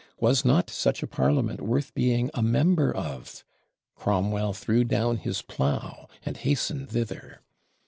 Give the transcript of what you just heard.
Was not such a Parliament worth being a member of? Cromwell threw down his plow, and hastened thither.